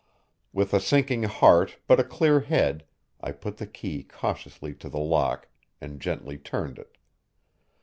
With a sinking heart but a clear head I put the key cautiously to the lock and gently turned it.